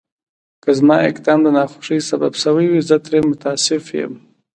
که زما اقدام د ناخوښۍ سبب شوی وي، زه ترې متأسف یم.